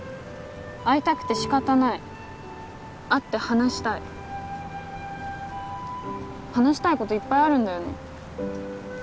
会いたくて仕方ない会って話したい話したいこといっぱいあるんだよね